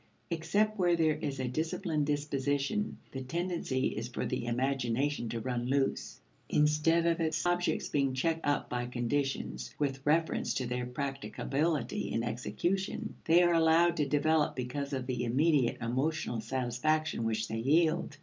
Except where there is a disciplined disposition, the tendency is for the imagination to run loose. Instead of its objects being checked up by conditions with reference to their practicability in execution, they are allowed to develop because of the immediate emotional satisfaction which they yield.